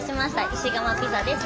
石窯ピザです。